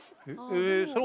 へえそう。